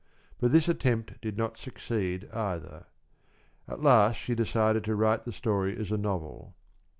But this attempt did not succeed, either; at last she decided to write the story as a novel.